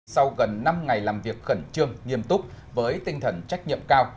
sau gần năm ngày làm việc khẩn trương nghiêm túc với tinh thần trách nhiệm cao